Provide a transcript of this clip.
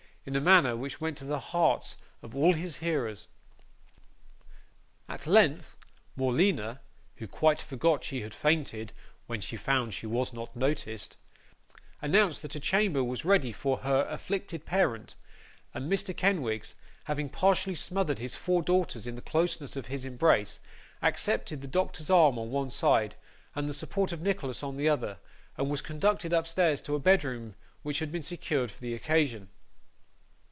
in a manner which went to the hearts of all his hearers. At length, Morleena (who quite forgot she had fainted, when she found she was not noticed) announced that a chamber was ready for her afflicted parent; and Mr. Kenwigs, having partially smothered his four daughters in the closeness of his embrace, accepted the doctor's arm on one side, and the support of Nicholas on the other, and was conducted upstairs to a bedroom which been secured for the occasion.